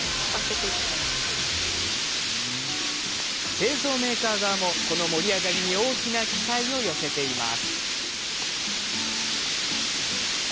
製造メーカー側もこの盛り上がりに大きな期待を寄せています。